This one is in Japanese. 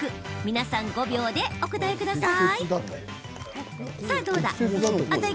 皆さん、５秒でお答えください。